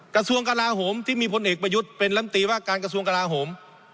กระทรวงกลาโหมที่มีพลเอกประยุทธ์เป็นลำตีว่าการกระทรวงกลาโหม